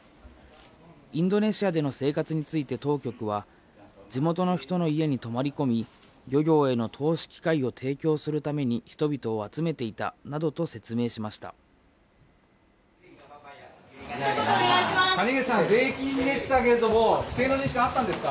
インドネシアでの生活について当局は、地元の人の家に泊まり込み、漁業への投資機会を提供するために人々を集めていたなどと説明しひと言お願いします。